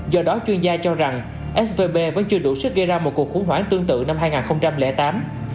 do đó chuyên gia cho rằng svb vẫn chưa đủ sức gây ra một cuộc khủng hoảng tương tự năm hai nghìn tám